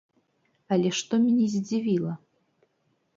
Але што мяне здзівіла!